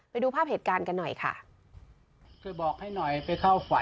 ไปดูภาพเหตุการณ์กันหน่อยค่ะ